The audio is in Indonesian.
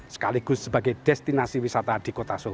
sekaligus sebagai destinasi wisata di kota solo